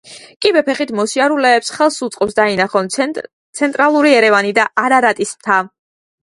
კიბე ფეხით მოსიარულეებს ხელს უწყობს დაინახონ ცენტრალური ერევანი და არარატის მთა.